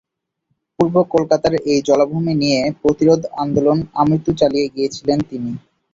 পূর্ব কলকাতার এই জলাভূমি নিয়ে প্রতিরোধ আন্দোলন আমৃত্যু চালিয়ে গিয়েছেন তিনি।